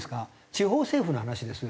地方政府の話です。